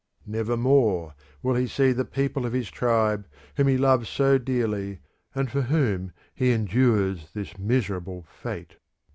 Never more will he see the people of his tribe whom he loves so dearly, and for whom he endures this miserable fate.